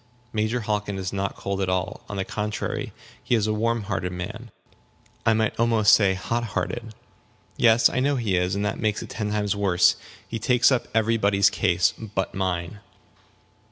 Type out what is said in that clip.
"Major Hockin is not cold at all. On the contrary, he is a warm hearted man I might almost say hot hearted." "Yes, I know he is. And that makes it ten times worse. He takes up every body's case but mine."